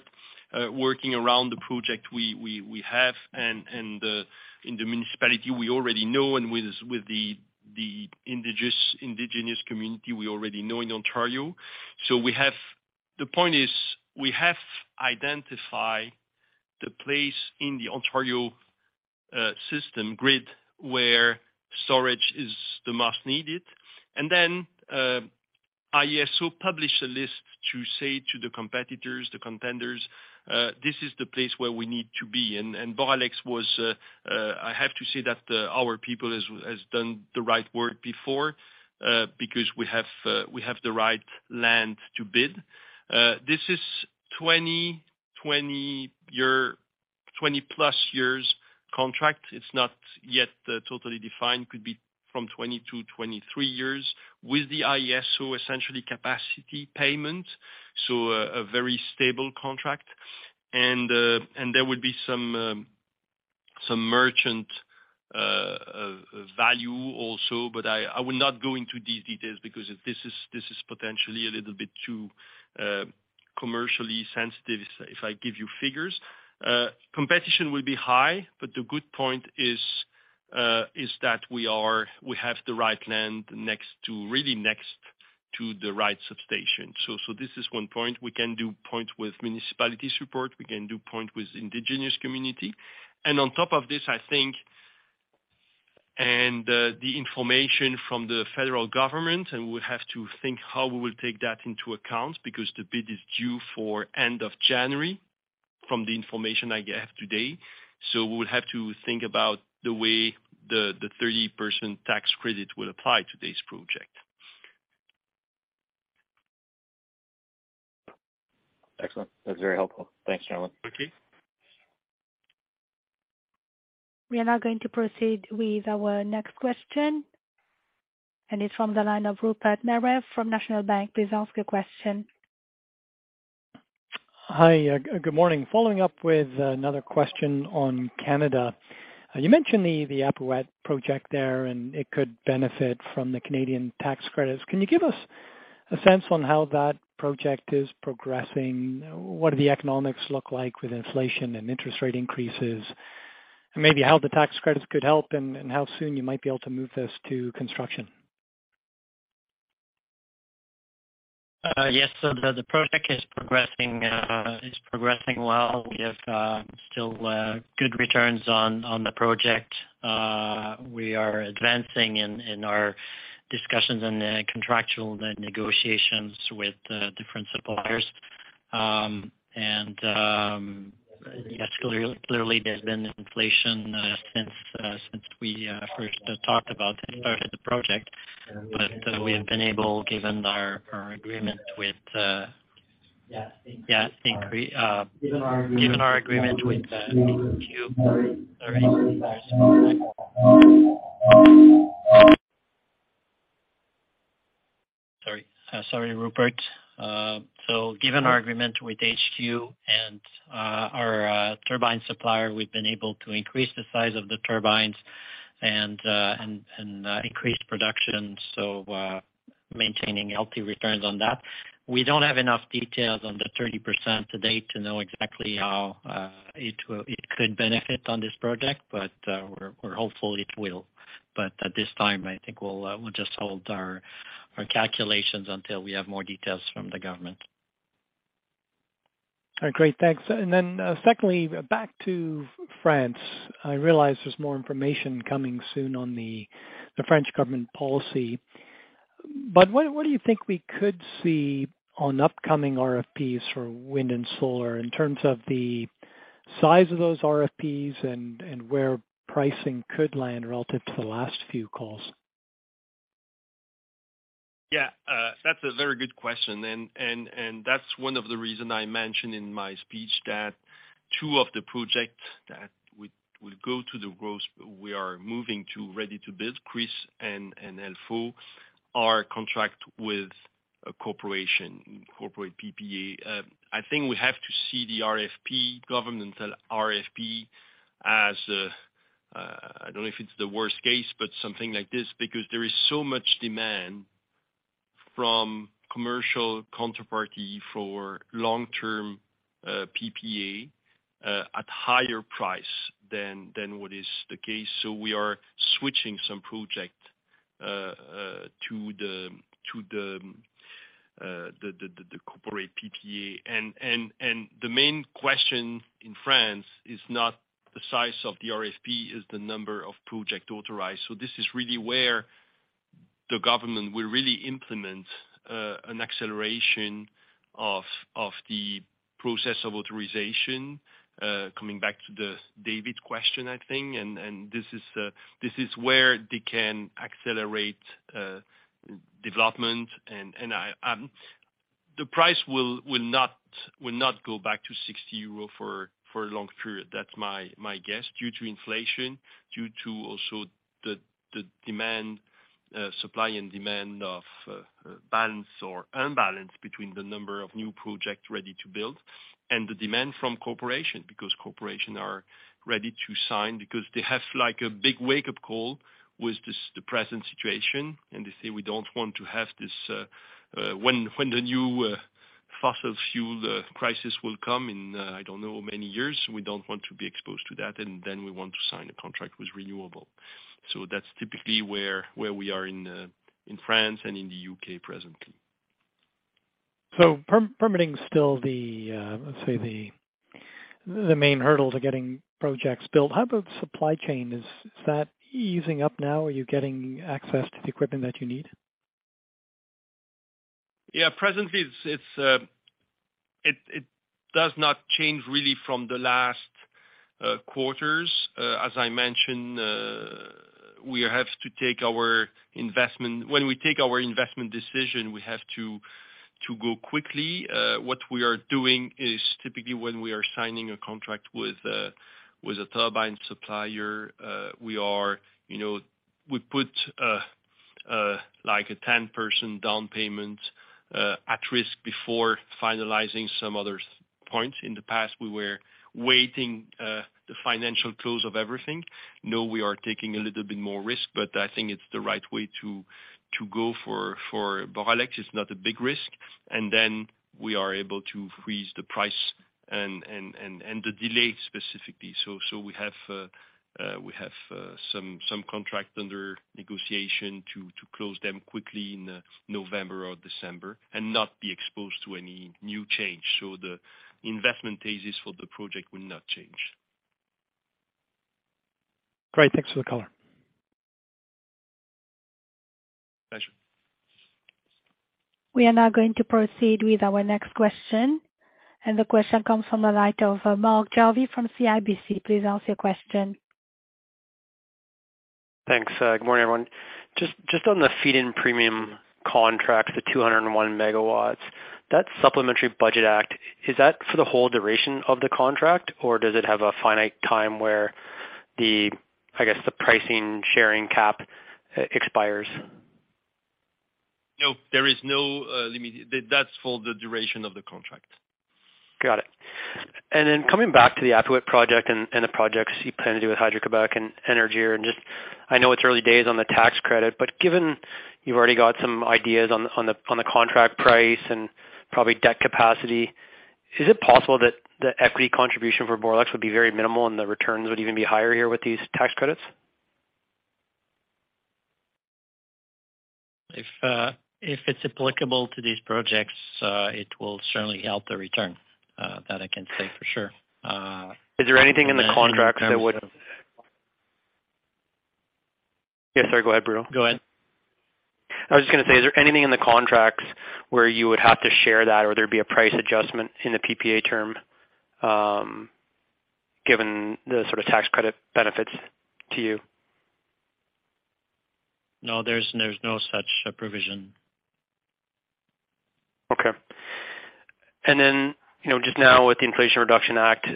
working around the project we have and in the municipality we already know and with the Indigenous community we already know in Ontario. The point is we have identified the place in the Ontario system grid where storage is the most needed. Then, IESO published a list to say to the competitors, the contenders, this is the place where we need to be. Boralex was, I have to say that, our people has done the right work before, because we have the right land to bid. This is 20-year, 20+ years contract. It's not yet totally defined. Could be from 20-23 years with the IESO essentially capacity payment. A very stable contract. There would be some merchant value also, but I will not go into these details because this is potentially a little bit too commercially sensitive if I give you figures. Competition will be high, but the good point is that we have the right land next to, really next to the right substation. This is one point. We can do points with municipalities support, we can do points with Indigenous community. On top of this, I think the information from the federal government, and we'll have to think how we will take that into account because the bid is due for end of January from the information I have today. We'll have to think about the way the 30% tax credit will apply to this project. Excellent. That's very helpful. Thanks, Patrick. Okay. We are now going to proceed with our next question, and it's from the line of Rupert Merer from National Bank Financial. Please ask your question. Hi, good morning. Following up with another question on Canada. You mentioned the Apuiat project there, and it could benefit from the Canadian tax credits. Can you give us a sense on how that project is progressing? What do the economics look like with inflation and interest rate increases? Maybe how the tax credits could help and how soon you might be able to move this to construction? Yes. The project is progressing well. We have still good returns on the project. We are advancing in our discussions and contractual negotiations with different suppliers. Yes, clearly there's been inflation since we first talked about and started the project. We have been able, given our agreement with Hydro-Québec. Sorry. Sorry, Rupert. Given our agreement with HQ and our turbine supplier, we've been able to increase the size of the turbines and increased production, maintaining healthy returns on that. We don't have enough details on the 30% to date to know exactly how it could benefit on this project, but we're hopeful it will. At this time, I think we'll just hold our calculations until we have more details from the government. All right, great. Thanks. Then, secondly, back to France. I realize there's more information coming soon on the French government policy. What do you think we could see on upcoming RFPs for wind and solar in terms of the size of those RFPs and where pricing could land relative to the last few calls? Yeah. That's a very good question. That's one of the reason I mentioned in my speech that two of the projects that would go to FID, we are moving to ready to build, Cruis and Helfaut, are contract with a corporate PPA. I think we have to see the RFP, governmental RFP as I don't know if it's the worst case, but something like this, because there is so much demand from commercial counterparty for long-term PPA at higher price than what is the case. We are switching some project to the corporate PPA. The main question in France is not the size of the RFP, is the number of project authorized. This is really where the government will really implement an acceleration of the process of authorization. Coming back to the David question, I think this is where they can accelerate development. The price will not go back to 60 euro for a long period. That's my guess, due to inflation, due to also the supply and demand imbalance between the number of new projects ready to build and the demand from corporations, because corporations are ready to sign because they have like a big wake-up call with this, the present situation. They say, we don't want to have this when the new fossil fuel crisis will come in, I don't know how many years, we don't want to be exposed to that. Then we want to sign a contract with renewable. That's typically where we are in France and in the U.K. presently. Permitting is still the, let's say, the main hurdle to getting projects built. How about supply chain? Is that easing up now? Are you getting access to the equipment that you need? Yeah. Presently it does not change really from the last quarters. As I mentioned, when we take our investment decision, we have to go quickly. What we are doing is typically when we are signing a contract with a turbine supplier, we, you know, put like a 10% down payment at risk before finalizing some other points. In the past, we were waiting the financial close of everything. Now we are taking a little bit more risk, but I think it's the right way to go for Boralex, it's not a big risk. Then we are able to freeze the price and the delay specifically. We have some contract under negotiation to close them quickly in November or December and not be exposed to any new change. The investment thesis for the project will not change. Great. Thanks for the color. Pleasure. We are now going to proceed with our next question, and the question comes from the line of Mark Jarvi from CIBC. Please ask your question. Thanks. Good morning, everyone. Just on the feed-in premium contract, the 201 MW, that Supplementary Budget, is that for the whole duration of the contract, or does it have a finite time where the, I guess, the pricing sharing cap expires? No, there is no limit. That's for the duration of the contract. Got it. Coming back to the Apuiat project and the projects you plan to do with Hydro-Québec and Énergir, just I know it's early days on the tax credit, but given you've already got some ideas on the contract price and probably debt capacity, is it possible that the equity contribution for Boralex would be very minimal and the returns would even be higher here with these tax credits? If it's applicable to these projects, it will certainly help the return that I can say for sure. Is there anything in the contracts that would? And then in terms of- Yes, sorry. Go ahead, Bruno. Go ahead. I was just gonna say, is there anything in the contracts where you would have to share that or there'd be a price adjustment in the PPA term, given the sort of tax credit benefits to you? No, there's no such provision. Okay. You know, just now with the Inflation Reduction Act, you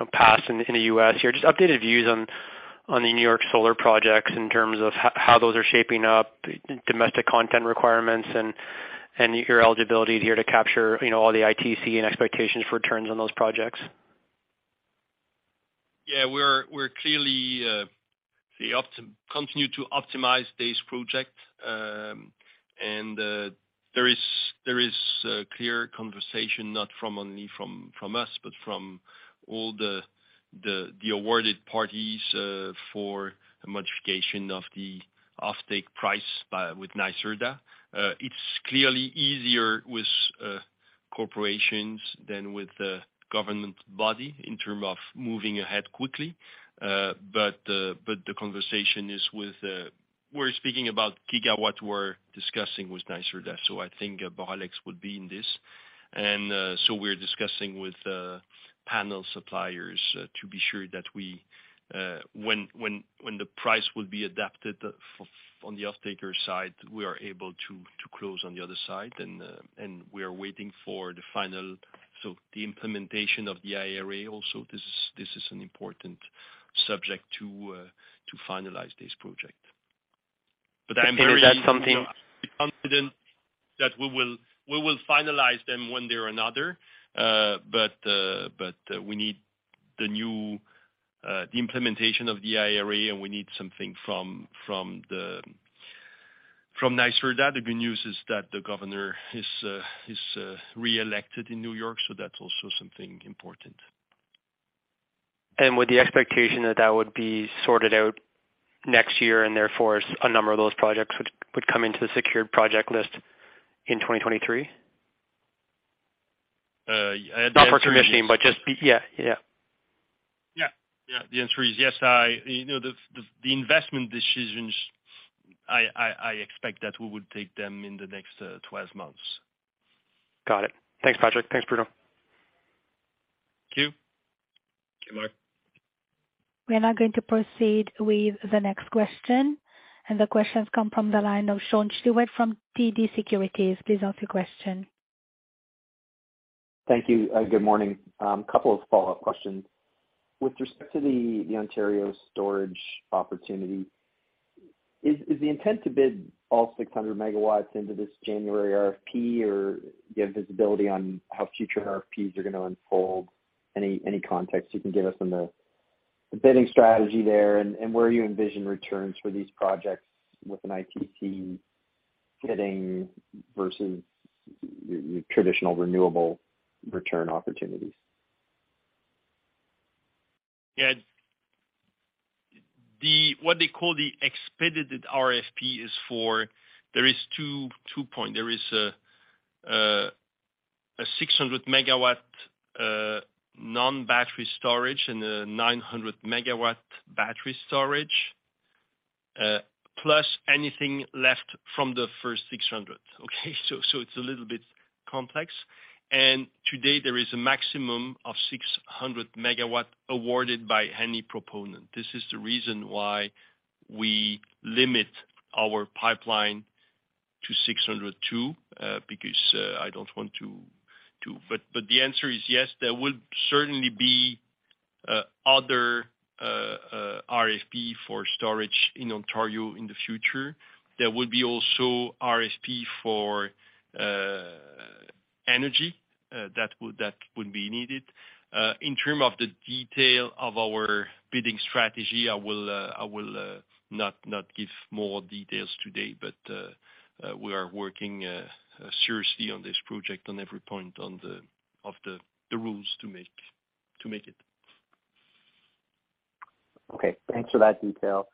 know, passed in the U.S., your just updated views on the New York solar projects in terms of how those are shaping up, domestic content requirements and your eligibility here to capture, you know, all the ITC and expectations for returns on those projects? Yeah. We're clearly continue to optimize this project. There is a clear conversation, not only from us, but from all the awarded parties, for a modification of the offtake price with NYSERDA. It's clearly easier with corporations than with the government body in terms of moving ahead quickly. The conversation is with, we're speaking about gigawatt we're discussing with NYSERDA. I think Boralex would be in this. We're discussing with panel suppliers to be sure that we, when the price will be adapted for, on the off-taker side, we are able to close on the other side. We are waiting for the final. The implementation of the IRA also this is an important subject to finalize this project. I am very- Is that something? Confident that we will finalize them one way or another. We need the new implementation of the IRA, and we need something from NYSERDA. The good news is that the governor is reelected in New York, so that's also something important. With the expectation that that would be sorted out next year, and therefore a number of those projects would come into the secured project list in 2023? Yeah. Not for commissioning, but just. Yeah. Yeah. Yeah. The answer is yes. You know, the investment decisions, I expect that we would take them in the next 12 months. Got it. Thanks, Patrick. Thanks, Bruno. Thank you. Thank you, Mark. We are now going to proceed with the next question, and the question come from the line of Sean Steuart from TD Securities. Please ask your question. Thank you. Good morning. A couple of follow-up questions. With respect to the Ontario storage opportunity, is the intent to bid all 600 MW into this January RFP, or do you have visibility on how future RFPs are gonna unfold? Any context you can give us on the bidding strategy there and where you envision returns for these projects with an ITC fitting versus your traditional renewable return opportunities? What they call the expedited RFP is for two point. There is a 600 MW non-battery storage and a 900 MW battery storage, plus anything left from the first 600 MW. Okay. So it's a little bit complex. Today, there is a maximum of 600 MW awarded by any proponent. This is the reason why we limit our pipeline to 602 MW, because I don't want to. But the answer is yes, there will certainly be other RFP for storage in Ontario in the future. There will be also RFP for energy that would be needed. In terms of the details of our bidding strategy, I will not give more details today, but we are working seriously on this project on every point of the rules to make it. Okay, thanks for that detail.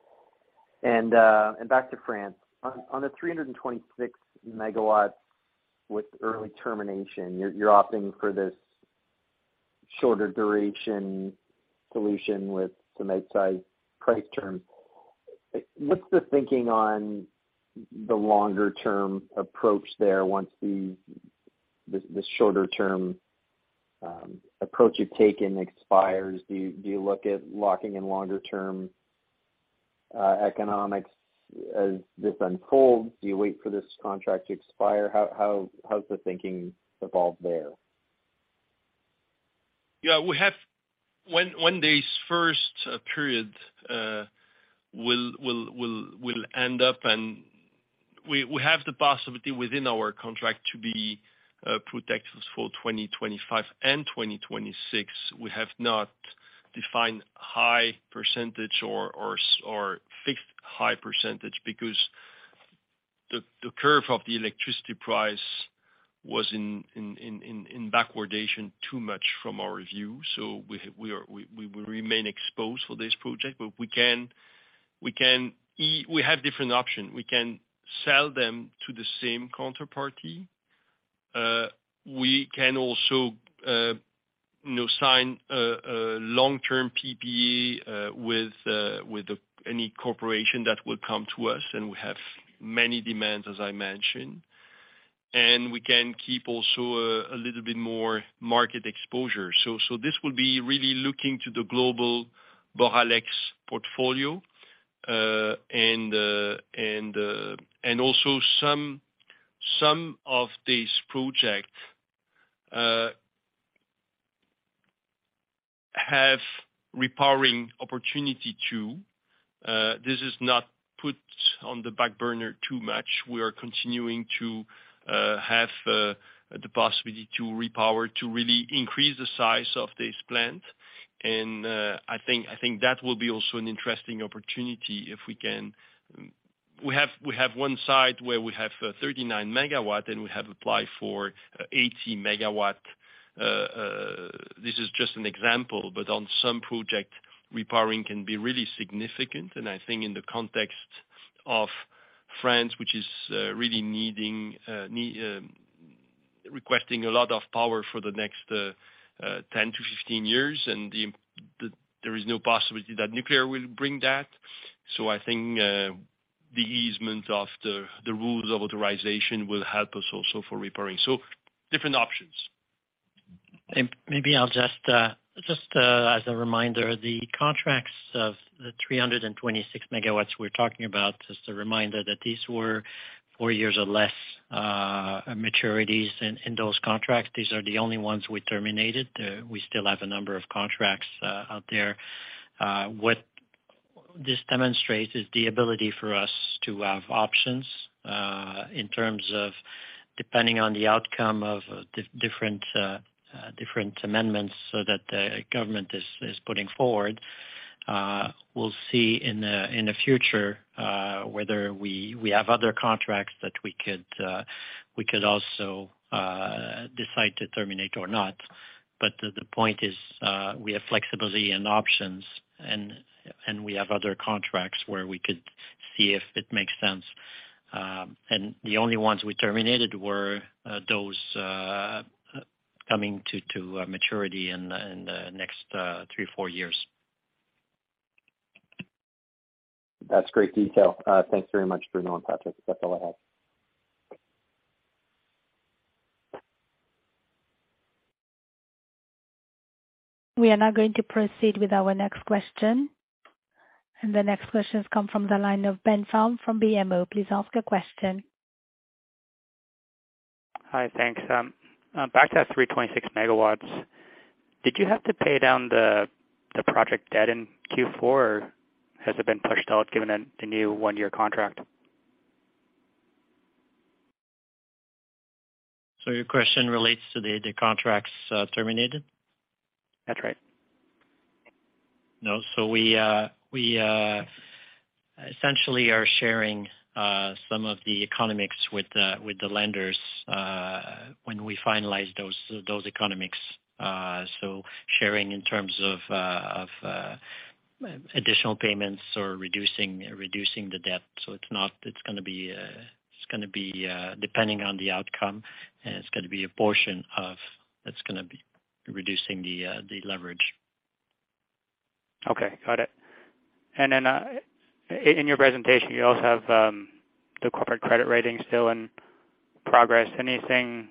Back to France. On the 326 MW with early termination, you're opting for this shorter duration solution with some outside price term. What's the thinking on the longer term approach there once the shorter term approach you've taken expires? Do you look at locking in longer term economics as this unfolds? Do you wait for this contract to expire? How has the thinking evolved there? Yeah. We have. When this first period will end up and we have the possibility within our contract to be protected for 2025 and 2026. We have not defined hedge percentage or fixed hedge percentage because the curve of the electricity price was in backwardation too much from our review. We will remain exposed for this project, but we have different options. We can sell them to the same counterparty. We can also, you know, sign a long-term PPA with any corporation that will come to us, and we have many demands, as I mentioned. We can keep also a little bit more market exposure. This will be really looking to the global Boralex portfolio. Also some of these projects have repowering opportunity too. This is not put on the back burner too much. We are continuing to have the possibility to repower, to really increase the size of this plant. I think that will be also an interesting opportunity if we can. We have one site where we have 39 MW, and we have applied for 80 MW. This is just an example, but on some projects, repowering can be really significant. I think in the context of France, which is really requesting a lot of power for the next 10-15 years. There is no possibility that nuclear will bring that. I think the easing of the rules of authorization will help us also for repowering. Different options. Maybe I'll just as a reminder, the contracts of the 326 MW we're talking about, just a reminder that these were four years or less maturities in those contracts. These are the only ones we terminated. We still have a number of contracts out there. What this demonstrates is the ability for us to have options in terms of depending on the outcome of different amendments so that the government is putting forward. We'll see in the future whether we have other contracts that we could also decide to terminate or not. The point is, we have flexibility and options and we have other contracts where we could see if it makes sense. The only ones we terminated were those coming to maturity in the next three, four years. That's great detail. Thanks very much, Bruno and Patrick. That's all I have. We are now going to proceed with our next question. The next question comes from the line of Ben Pham from BMO. Please ask your question. Hi. Thanks. Back to that 326 MW, did you have to pay down the project debt in Q4, or has it been pushed out given the new one-year contract? Your question relates to the contracts terminated? That's right. No. We essentially are sharing some of the economics with the lenders when we finalize those economics. Sharing in terms of additional payments or reducing the debt. It's not, it's gonna be depending on the outcome, and it's gonna be a portion of. It's gonna be reducing the leverage. Okay. Got it. In your presentation, you also have the corporate credit rating still in progress. Anything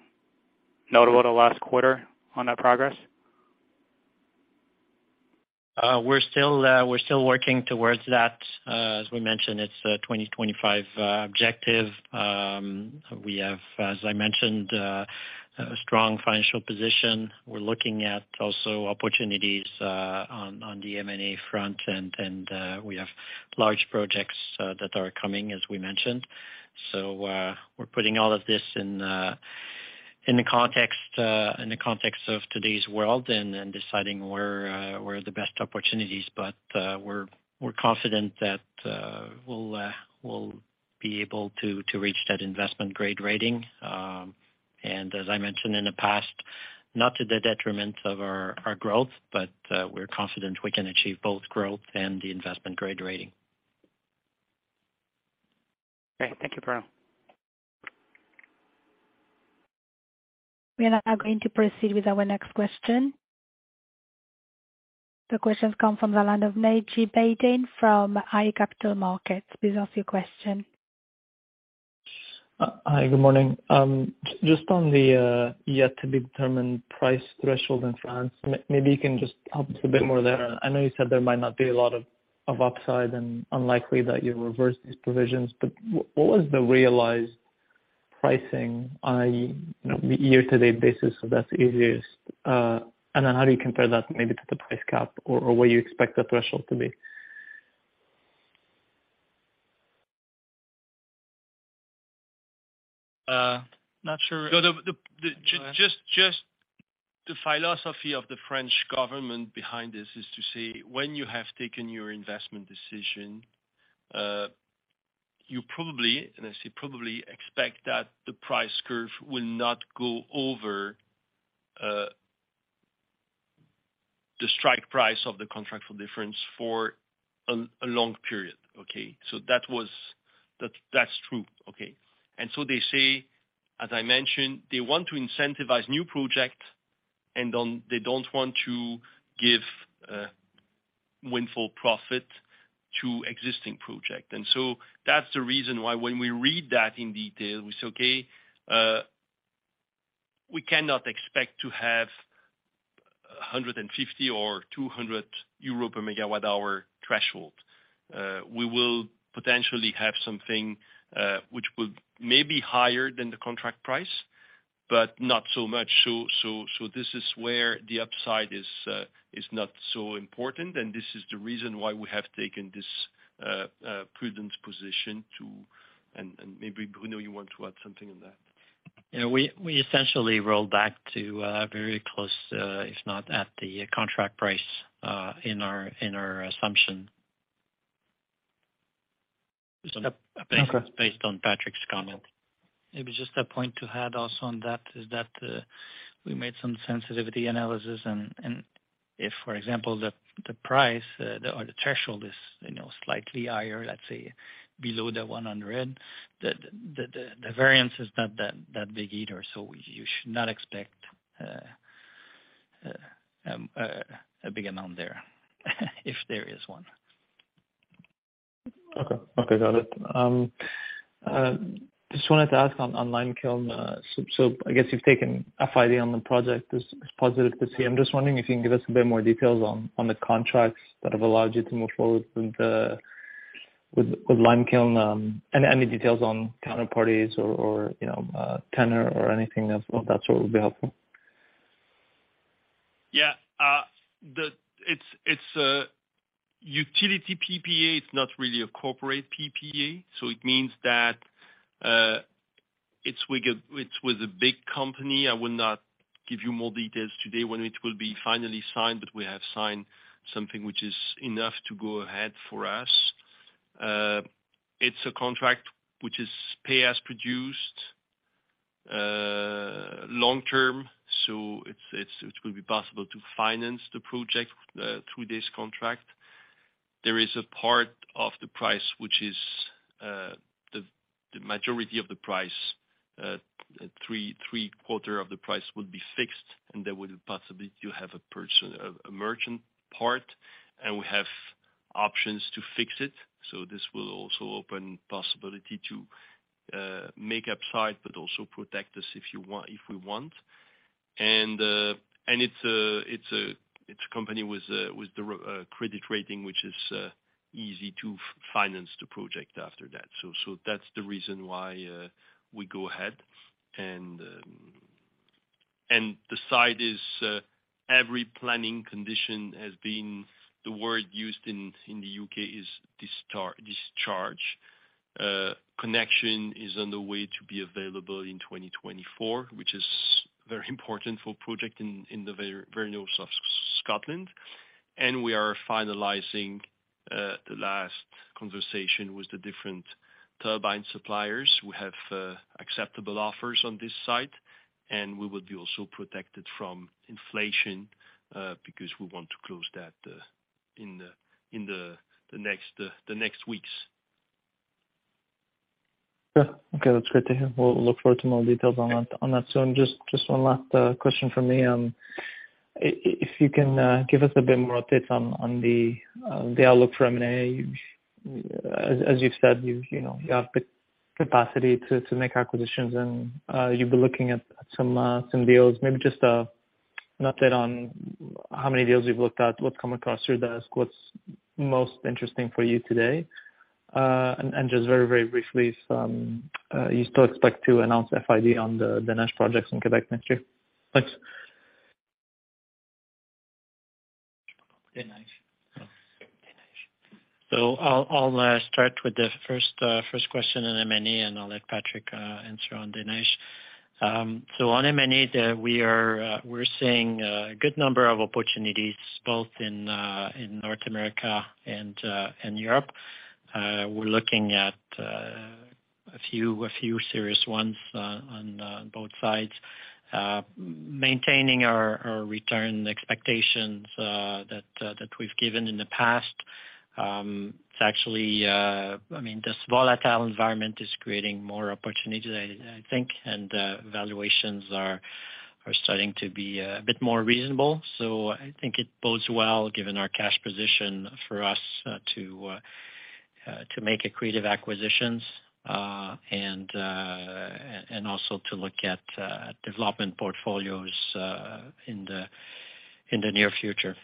notable the last quarter on that progress? We're still working towards that. As we mentioned, it's a 2025 objective. We have, as I mentioned, a strong financial position. We're looking at also opportunities on the M&A front, and we have large projects that are coming, as we mentioned. We're putting all of this in the context of today's world and deciding where are the best opportunities. We're confident that we'll be able to reach that investment-grade rating. As I mentioned in the past, not to the detriment of our growth, we're confident we can achieve both growth and the investment-grade rating. Great. Thank you, Bruno. We are now going to proceed with our next question. The question's come from the line of Naji Baydoun from iA Capital Markets. Please ask your question. Hi. Good morning. Just on the yet to be determined price threshold in France, maybe you can just help us a bit more there. I know you said there might not be a lot of upside and unlikely that you reverse these provisions, but what was the realized pricing on a, you know, year-to-date basis if that's easiest? Then how do you compare that maybe to the price cap or what you expect the threshold to be? Not sure. So the- Go ahead. Just the philosophy of the French government behind this is to say, when you have taken your investment decision, you probably, and I say probably, expect that the price curve will not go over the strike price of the contract for difference for a long period, okay? That was true, okay? They say, as I mentioned, they want to incentivize new project and they don't want to give windfall profit to existing project. That's the reason why when we read that in detail, we say, okay, we cannot expect to have 150 or 200 euro per megawatt hour threshold. We will potentially have something which may be higher than the contract price, but not so much. This is where the upside is not so important, and this is the reason why we have taken this prudent position to. Maybe Bruno, you want to add something on that? Yeah. We essentially rolled back to very close, if not at the contract price, in our assumption. Okay. Based on Patrick's comment. Maybe just a point to add also on that is that we made some sensitivity analysis and if, for example, the price or the threshold is, you know, slightly higher, let's say below the 100, the variance is not that big either, so you should not expect a big amount there, if there is one. I guess you've taken a FID on the project. It's positive to see. I'm just wondering if you can give us a bit more details on the contracts that have allowed you to move forward with Limekiln, and any details on counterparties or you know, tenor or anything of that sort would be helpful. Yeah. It's a utility PPA. It's not really a corporate PPA, so it means that it's with a big company. I will not give you more details today when it will be finally signed, but we have signed something which is enough to go ahead for us. It's a contract which is pay as produced, long-term, so it will be possible to finance the project through this contract. There is a part of the price which is the majority of the price, three quarter of the price will be fixed, and there will possibly to have a merchant part, and we have options to fix it. So this will also open possibility to make upside but also protect us if we want. It's a company with the credit rating which is easy to finance the project after that. That's the reason why we go ahead. The site is every planning condition has been discharged. The word used in the U.K. is discharge. Connection is on the way to be available in 2024, which is very important for the project in the north of Scotland. We are finalizing the last conversation with the different turbine suppliers. We have acceptable offers on this site, and we will be also protected from inflation because we want to close that in the next weeks. Yeah. Okay. That's great to hear. We'll look forward to more details on that. Just one last question from me. If you can give us a bit more update on the outlook for M&A. As you've said, you know, you have capacity to make acquisitions and you've been looking at some deals. Maybe just an update on how many deals you've looked at. What's come across your desk? What's most interesting for you today? And just very briefly, you still expect to announce FID on the Des Neiges projects in Quebec next year? Thanks. Des Neiges. I'll start with the first question on M&A, and I'll let Patrick answer on Des Neiges. On M&A, we're seeing a good number of opportunities both in North America and Europe. We're looking at a few serious ones on both sides, maintaining our return expectations that we've given in the past. It's actually I mean, this volatile environment is creating more opportunities I think, and valuations are starting to be a bit more reasonable. I think it bodes well, given our cash position for us to make accretive acquisitions and also to look at development portfolios in the near future.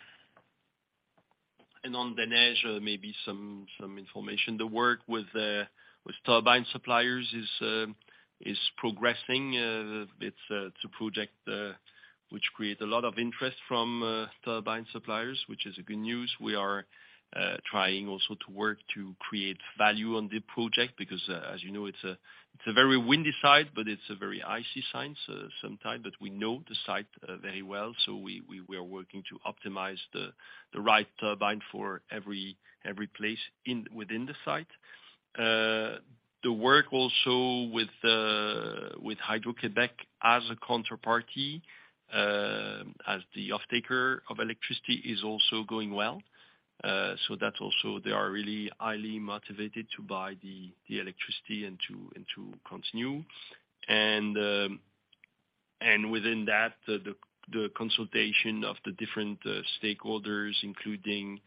On Des Neiges, maybe some information. The work with turbine suppliers is progressing. It's a project which creates a lot of interest from turbine suppliers, which is good news. We are trying also to work to create value on the project because, as you know, it's a very windy site, but it's a very icy site, so sometimes. We know the site very well, so we are working to optimize the right turbine for every place within the site. The work also with Hydro-Québec as a counterparty, as the offtaker of electricity, is also going well. So that's also, they are really highly motivated to buy the electricity and to continue. Within that, the consultation of the different stakeholders, including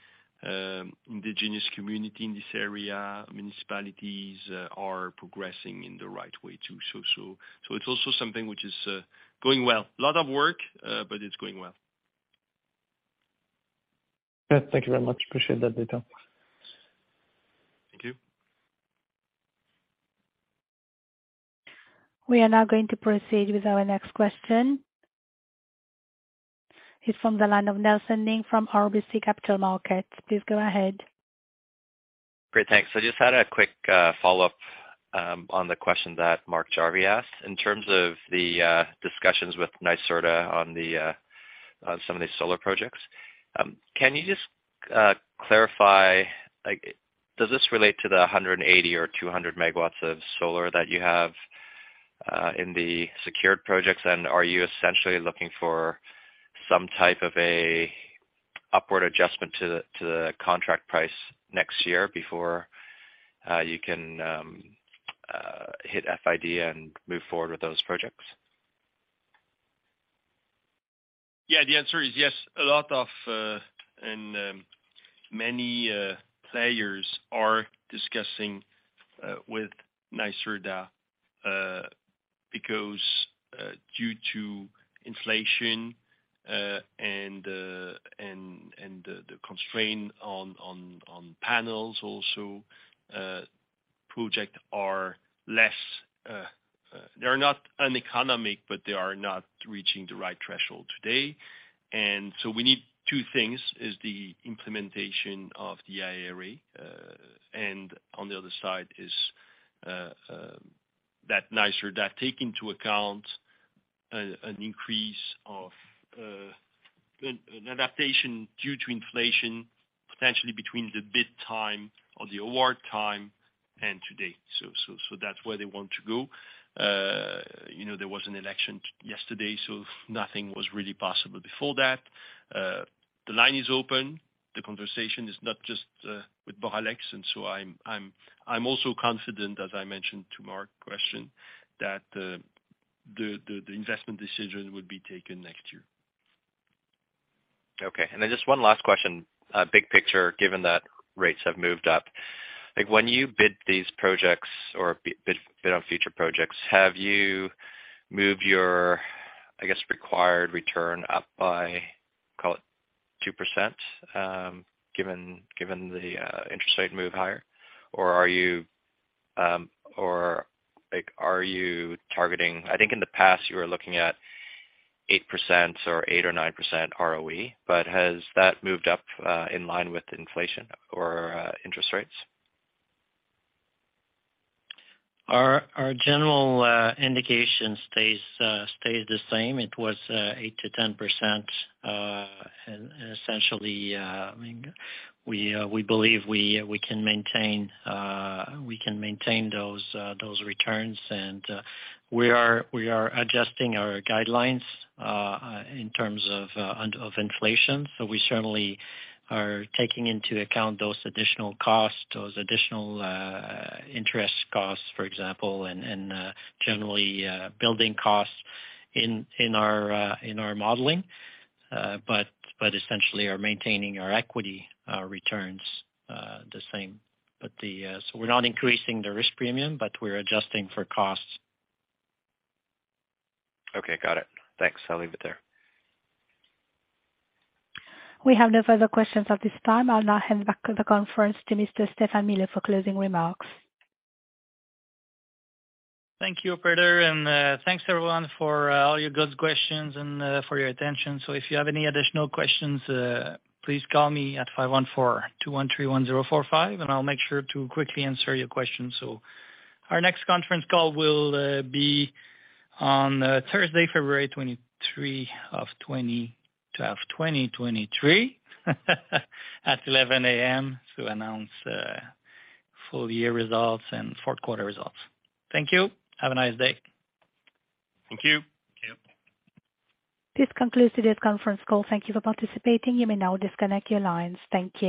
indigenous community in this area, municipalities, are progressing in the right way too. It's also something which is going well. A lot of work, but it's going well. Yeah. Thank you very much. Appreciate that detail. Thank you. We are now going to proceed with our next question. It's from the line of Nelson Ng from RBC Capital Markets. Please go ahead. Great. Thanks. Just had a quick follow-up on the question that Mark Jarvi asked. In terms of the discussions with NYSERDA on some of these solar projects, can you just clarify, like, does this relate to the 180 MW or 200 MW of solar that you have in the secured projects? And are you essentially looking for some type of a upward adjustment to the contract price next year before you can hit FID and move forward with those projects? Yeah, the answer is yes. Many players are discussing with NYSERDA because due to inflation and the constraint on panels also, projects are less, they're not economic, but they are not reaching the right threshold today. We need two things, is the implementation of the IRA. On the other side is that NYSERDA take into account an increase of an adaptation due to inflation, potentially between the bid time or the award time and today. That's where they want to go. You know, there was an election yesterday, so nothing was really possible before that. The line is open. The conversation is not just with Boralex, and so I'm also confident, as I mentioned to Mark's question, that the investment decision would be taken next year. Okay. Then just one last question, big picture, given that rates have moved up. Like, when you bid these projects or bid on future projects, have you moved your, I guess, required return up by, call it 2%, given the interest rate move higher? Or are you, or like, are you targeting. I think in the past, you were looking at 8% or 9% ROE, but has that moved up in line with inflation or interest rates? Our general indication stays the same. It was 8%-10%, essentially. I mean, we believe we can maintain those returns. We are adjusting our guidelines in terms of inflation. We certainly are taking into account those additional costs, those additional interest costs, for example, and generally building costs in our modeling, but essentially are maintaining our equity returns the same. We're not increasing the risk premium, but we're adjusting for costs. Okay. Got it. Thanks. I'll leave it there. We have no further questions at this time. I'll now hand back the conference to Mr. Stéphane Milot for closing remarks. Thank you, operator. Thanks everyone for all your good questions and for your attention. If you have any additional questions, please call me at 514-213-1045, and I'll make sure to quickly answer your questions. Our next conference call will be on Thursday, February 23, 2023 at 11:00 A.M. to announce full year results and fourth quarter results. Thank you. Have a nice day. Thank you. This concludes today's conference call. Thank you for participating. You may now disconnect your lines. Thank you.